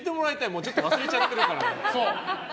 ちょっと忘れちゃってるから。